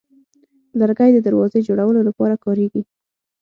لرګی د دروازې جوړولو لپاره کارېږي.